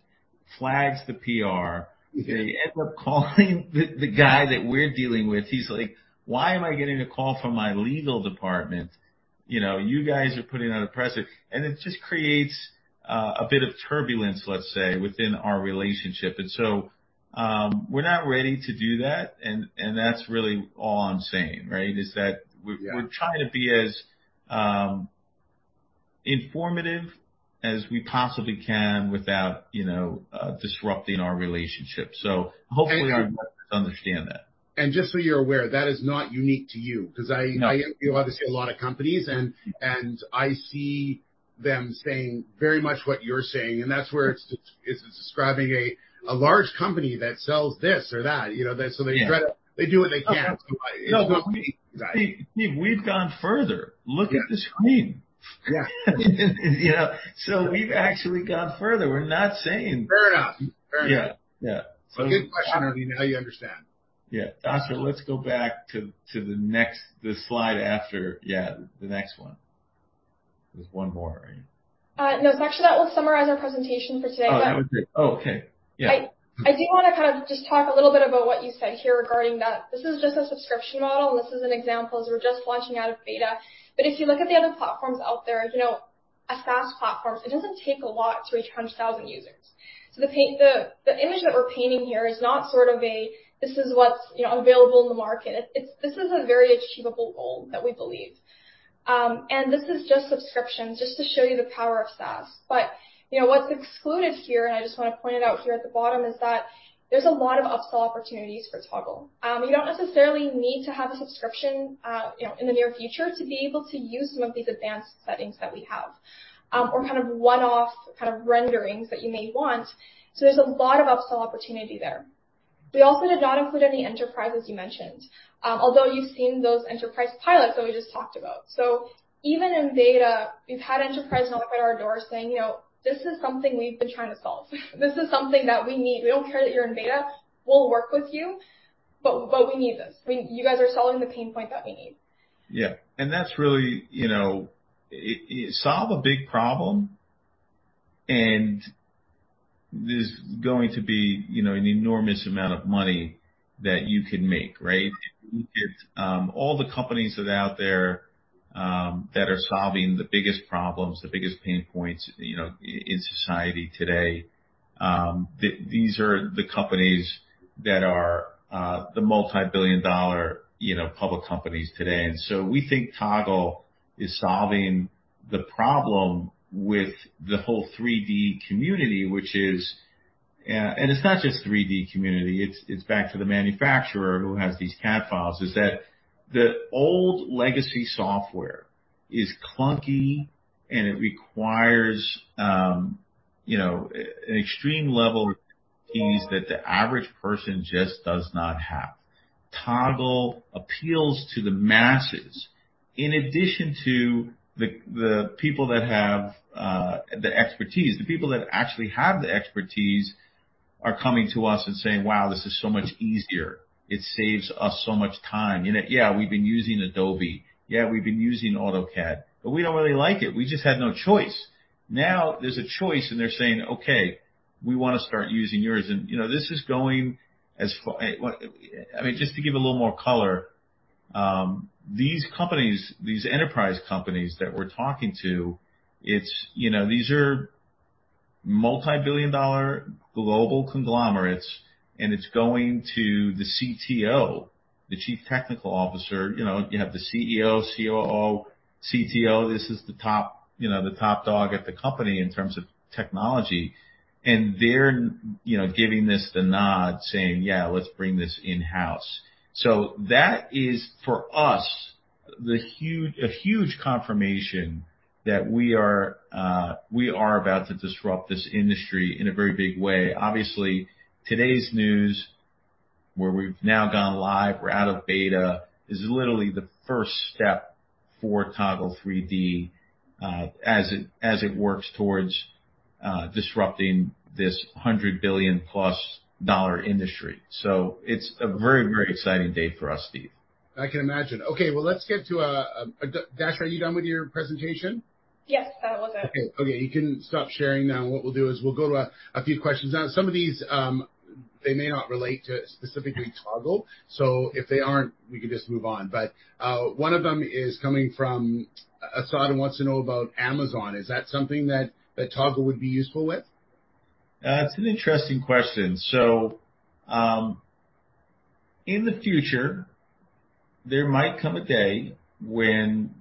flags the PR. They end up calling the guy that we're dealing with. He's like: Why am I getting a call from my legal department? You know, you guys are putting out a press it and it just creates a bit of turbulence, let's say, within our relationship. We're not ready to do that, and that's really all I'm saying, right, is that. Yeah... we're trying to be as informative as we possibly can without, you know, disrupting our relationship. Hopefully. Okay... our investors understand that.... just so you're aware, that is not unique to you, 'cause. No. I interview, obviously, a lot of companies, and I see them saying very much what you're saying, and that's where it's describing a large company that sells this or that, you know? Yeah. They do what they can. No, Steve, we've gone further. Look at the screen. Yeah. You know, we've actually gone further. Fair enough. Fair enough. Yeah. Yeah. Good question, Evan. Now you understand. Yeah. Dasha, let's go back to the next, the slide after. Yeah, the next one. There's one more, right? No, it's actually that will summarize our presentation for today. Oh, that was it. Oh, okay. Yeah. I do want to kind of just talk a little bit about what you said here regarding that. This is just a subscription model. This is an example, as we're just launching out of beta. If you look at the other platforms out there, you know, a SaaS platform, it doesn't take a lot to reach 100,000 users. The image that we're painting here is not sort of a, this is what's, you know, available in the market. It's. This is a very achievable goal that we believe. This is just subscriptions, just to show you the power of SaaS. You know, what's excluded here, and I just want to point it out here at the bottom, is that there's a lot of upsell opportunities for Toggle. You don't necessarily need to have a subscription, you know, in the near future to be able to use some of these advanced settings that we have, or kind of one-off kind of renderings that you may want. There's a lot of upsell opportunity there. We also did not include any enterprises you mentioned, although you've seen those enterprise pilots that we just talked about. Even in beta, we've had enterprises knock on our door saying: "You know, this is something we've been trying to solve. This is something that we need. We don't care that you're in beta, we'll work with you, but we need this. You guys are solving the pain point that we need. Yeah. That's really, you know, solve a big problem, and there's going to be, you know, an enormous amount of money that you can make, right? All the companies that are out there, that are solving the biggest problems, the biggest pain points, you know, in society today, these are the companies that are the multi-billion dollar, you know, public companies today. We think Toggle is solving the problem with the whole 3D community, which is. It's not just 3D community, it's back to the manufacturer who has these CAD files, is that the old legacy software is clunky, and it requires, you know, an extreme level of expertise that the average person just does not have. Toggle appeals to the masses in addition to the people that have the expertise. The people that actually have the expertise are coming to us and saying: "Wow, this is so much easier. It saves us so much time. Yeah, we've been using Adobe, yeah, we've been using AutoCAD, but we don't really like it. We just had no choice." Now, there's a choice, and they're saying: "Okay, we want to start using yours." You know, this is going as far... well, I mean, just to give a little more color, these companies, these enterprise companies that we're talking to, it's, you know, these are multi-billion dollar global conglomerates. It's going to the CTO, the chief technical officer. You know, you have the CEO, COO, CTO, this is the top, you know, the top dog at the company in terms of technology. They're, you know, giving this the nod, saying, "Yeah, let's bring this in-house." That is, for us, a huge confirmation that we are about to disrupt this industry in a very big way. Obviously, today's news, where we've now gone live, we're out of beta, is literally the first step for Toggle3D as it works towards disrupting this 100 billion plus dollar industry. It's a very, very exciting day for us, Steve. I can imagine. Okay, well, let's get to Dasha, are you done with your presentation? Yes, that was it. Okay. Okay, you can stop sharing now. What we'll do is we'll go to a few questions. Some of these, they may not relate to specifically Toggle, so if they aren't, we can just move on. One of them is coming from Asad, who wants to know about Amazon. Is that something that Toggle would be useful with? It's an interesting question. In the future, there might come a day when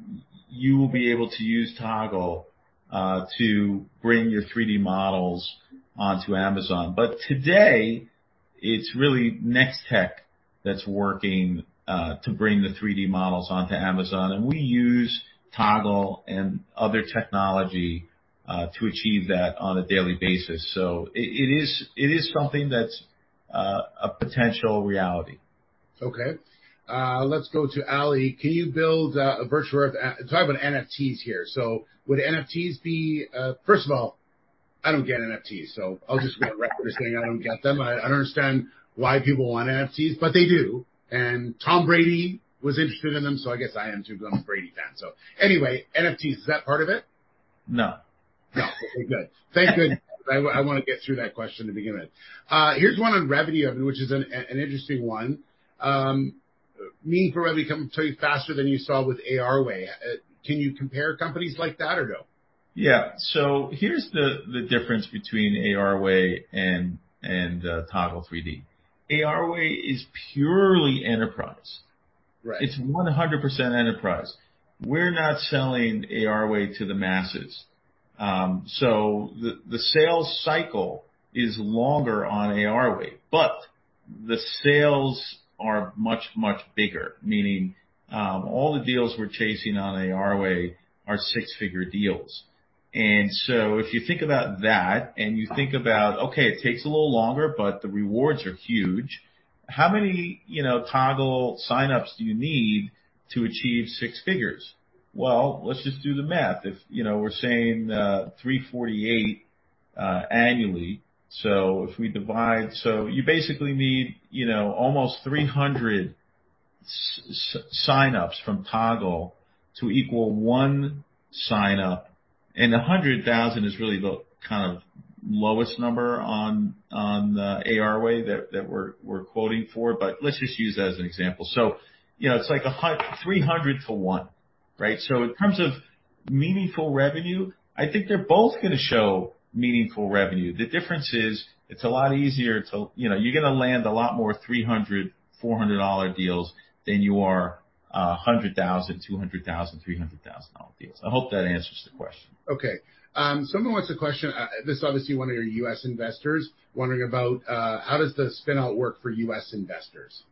you will be able to use Toggle to bring your 3D models onto Amazon. Today, it's really Nextech3D ai that's working to bring the 3D models onto Amazon, and we use Toggle and other technology to achieve that on a daily basis. It is something that's a potential reality. Okay. Let's go to Ali. Can you build a virtual earth, talking about NFTs here? Would NFTs be? First of all, I don't get NFTs, so I'll just go on record as saying I don't get them. I don't understand why people want NFTs, but they do. Tom Brady was interested in them, so I guess I am too, because I'm a Brady fan. Anyway, NFTs, is that part of it? No. No. Okay, good. Thank goodness. I want to get through that question to begin with. Here's one on revenue, Evan, which is an interesting one. Mean for revenue to come to you faster than you saw with ARway.ai. Can you compare companies like that or no? Yeah. Here's the difference between ARway.ai and Toggle3D. ARway.ai is purely enterprise. It's 100% enterprise. We're not selling ARway.ai to the masses. The, the sales cycle is longer on ARway.ai, but the sales are much bigger, meaning all the deals we're chasing on ARway.ai are $6-figure deals. If you think about that and you think about, okay, it takes a little longer, but the rewards are huge, how many, you know, Toggle3D signups do you need to achieve $6 figures? Well, let's just do the math. If, you know, we're saying $348 annually, so if we. You basically need, you know, almost 300 signups from Toggle to equal 1 signup. $100,000 is really the kind of lowest number on ARway.ai that we're quoting for, but let's just use that as an example. You know, it's like a 300 for 1, right? In terms of meaningful revenue, I think they're both gonna show meaningful revenue. The difference is it's a lot easier to. You know, you're gonna land a lot more $300, $400 dollar deals than you are $100,000, $200,000, $300,000 dollar deals. I hope that answers the question. Okay, someone wants a question. This is obviously one of your US investors, wondering about how does the spin out work for US investors?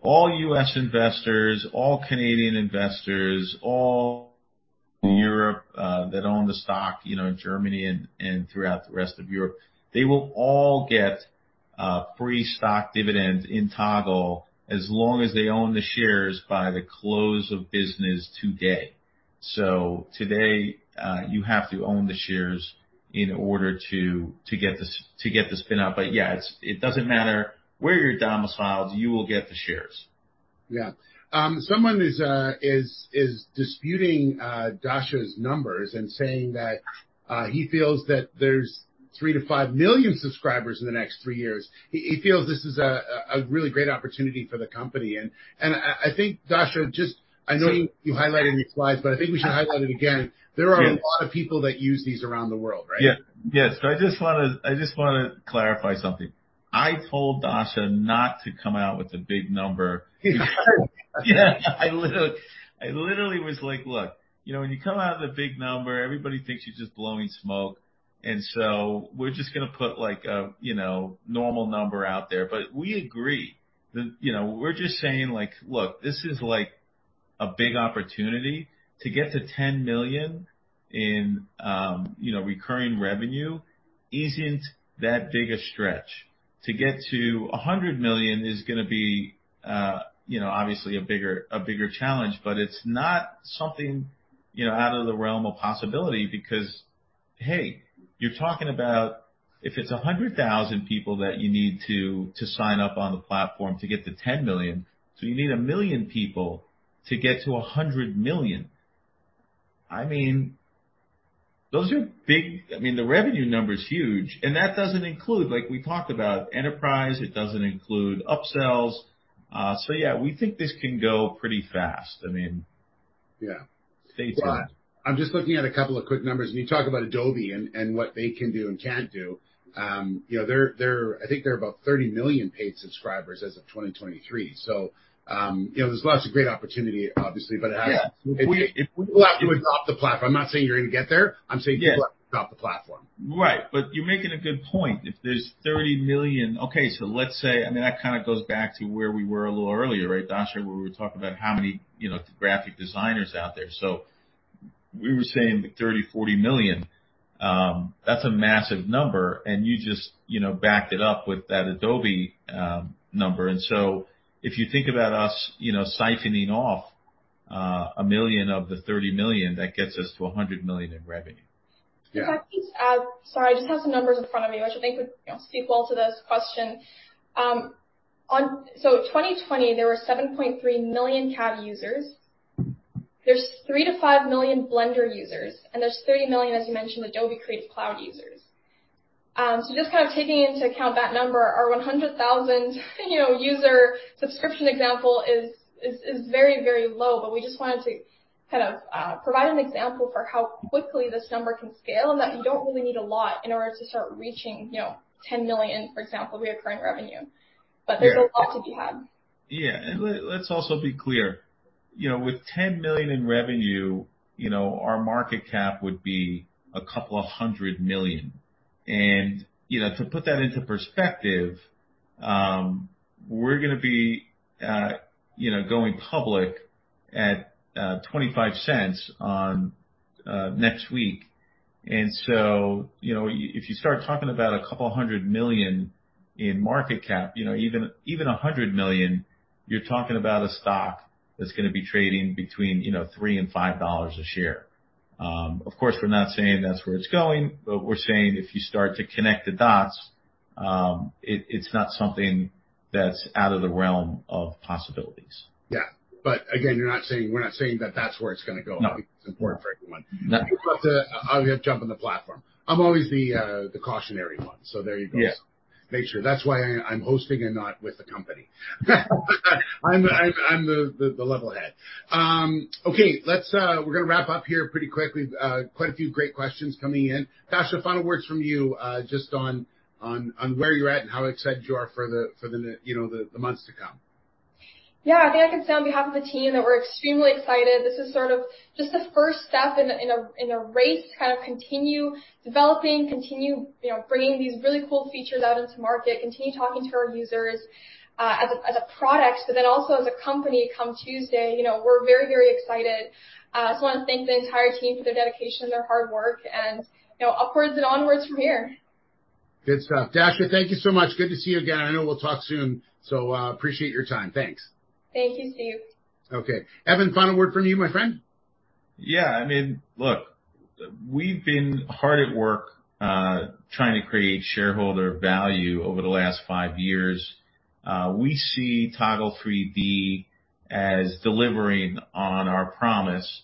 All U.S. investors, all Canadian investors, all Europe, that own the stock, you know, in Germany and throughout the rest of Europe, they will all get free stock dividends in Toggle as long as they own the shares by the close of business today. Today, you have to own the shares in order to get the spin out. Yeah, it's, it doesn't matter where you're domiciled, you will get the shares. Yeah. Someone is disputing Dasha's numbers and saying that he feels that there's 3 million-5 million subscribers in the next 3 years. He feels this is a really great opportunity for the company, I think Dasha, I know you highlighted in your slides, but I think we should highlight it again. There are a lot of people that use these around the world, right? Yeah. Yes. I just wanna clarify something. I told Dasha not to come out with a big number. Yeah, I literally was like: Look, you know, when you come out with a big number, everybody thinks you're just blowing smoke, we're just gonna put, like, a, you know, normal number out there. We agree that, you know, we're just saying, like, look, this is like a big opportunity to get to $10 million in, you know, recurring revenue isn't that big a stretch. To get to $100 million is gonna be, you know, obviously a bigger challenge, but it's not something, you know, out of the realm of possibility because, hey, you're talking about if it's 100,000 people that you need to sign up on the platform to get to $10 million, so you need 1 million people to get to $100 million. I mean, the revenue number is huge, and that doesn't include, like we talked about, enterprise, it doesn't include upsells. Yeah, we think this can go pretty fast. I mean. Yeah. Stay tuned. I'm just looking at a couple of quick numbers, and you talk about Adobe and what they can do and can't do. You know, I think they're about 30 million paid subscribers as of 2023. You know, there's lots of great opportunity, obviously, but. Yeah. You have to adopt the platform. I'm not saying you're gonna get there. Yeah. I'm saying you have to adopt the platform. You're making a good point. If there's $30 million. Let's say, I mean, that kind of goes back to where we were a little earlier, right, Dasha, where we were talking about how many, you know, graphic designers out there. We were saying $30 million-$40 million. That's a massive number, you just, you know, backed it up with that Adobe number. If you think about us, you know, siphoning off $1 million of the $30 million, that gets us to $100 million in revenue. Sorry, I just have some numbers in front of me, which I think would, you know, sequel to this question. Twenty twenty, there were 7.3 million CAD users. There's 3 million-5 million Blender users, and there's 30 million, as you mentioned, Adobe Creative Cloud users. Just kind of taking into account that number, our 100,000, you know, user subscription example is very, very low, but we just wanted to kind of provide an example for how quickly this number can scale and that you don't really need a lot in order to start reaching, you know, 10 million, for example, reccurring revenue. Yeah. There's a lot to be had. Yeah, let's also be clear, you know, with $10 million in revenue, you know, our market cap would be $ couple of hundred million. You know, to put that into perspective, we're gonna be, you know, going public at $0.25 on next week. You know, if you start talking about $ couple of hundred million in market cap, you know, even $100 million, you're talking about a stock that's gonna be trading between, you know, $3 and $5 a share. Of course, we're not saying that's where it's going, but we're saying if you start to connect the dots, it's not something that's out of the realm of possibilities. Yeah. We're not saying that that's where it's gonna go. No. It's important for everyone. No. I'm gonna jump on the platform. I'm always the cautionary one, so there you go. Yeah. Make sure. That's why I'm hosting and not with the company. I'm the level head. Okay, let's wrap up here pretty quickly. Quite a few great questions coming in. Dasha, final words from you, just on where you're at and how excited you are for you know, the months to come. Yeah, I think I can say on behalf of the team that we're extremely excited. This is sort of just the first step in a race to kind of continue developing, continue, you know, bringing these really cool features out into market, continue talking to our users, as a, as a product, but then also as a company, come Tuesday. You know, we're very, very excited. I just want to thank the entire team for their dedication, their hard work, and, you know, upwards and onwards from here. Good stuff. Dasha, thank you so much. Good to see you again, and I know we'll talk soon, so, appreciate your time. Thanks. Thank you, Steve. Okay, Evan, final word from you, my friend? Yeah, I mean, look, we've been hard at work, trying to create shareholder value over the last 5 years. We see Toggle3D as delivering on our promise.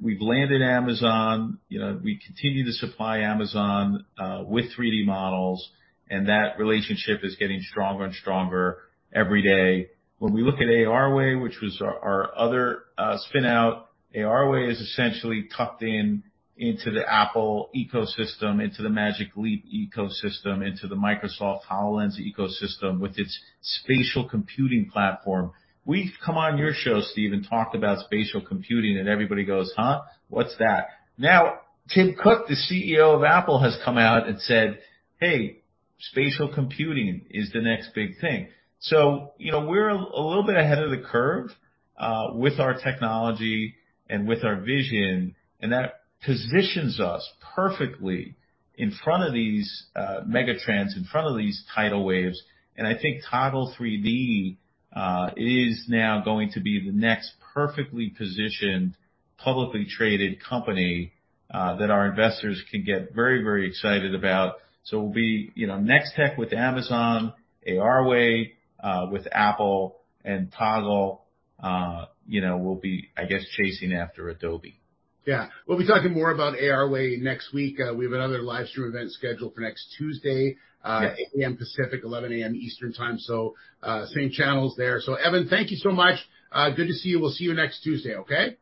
We've landed Amazon, you know, we continue to supply Amazon, with 3D models, and that relationship is getting stronger and stronger every day. When we look at ARway.ai, which was our other spin out, ARway.ai is essentially tucked in into the Apple ecosystem, into the Magic Leap ecosystem, into the Microsoft HoloLens ecosystem, with its spatial computing platform. We've come on your show, Steve, and talked about spatial computing, and everybody goes: "Huh? What's that?" Tim Cook, the CEO of Apple, has come out and said: "Hey, spatial computing is the next big thing." You know, we're a little bit ahead of the curve with our technology and with our vision, and that positions us perfectly in front of these megatrends, in front of these tidal waves. I think Toggle 3D is now going to be the next perfectly positioned, publicly traded company that our investors can get very, very excited about. We'll be, you know, Nextech with Amazon, ARway.ai with Apple, Toggle, you know, we'll be, I guess, chasing after Adobe. Yeah. We'll be talking more about ARway.ai next week. We have another live stream event scheduled for next Tuesday. Yeah. 8:00 A.M. Pacific, 11:00 A.M. Eastern Time, same channels there. Evan, thank you so much. Good to see you. We'll see you next Tuesday, okay?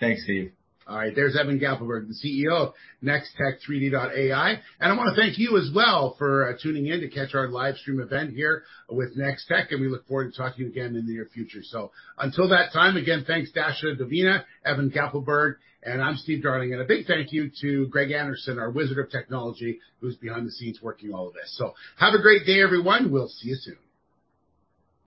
Thanks, Steve. All right. There's Evan Gappelberg, the CEO of Nextech3D ai. I want to thank you as well for tuning in to catch our live stream event here with Nextech3D ai. We look forward to talking to you again in the near future. Until that time, again, thanks, Dasha Vdovina, Evan Gappelberg. I'm Steve Darling, and a big thank you to Greg Anderson, our wizard of technology, who's behind the scenes working all of this. Have a great day, everyone. We'll see you soon.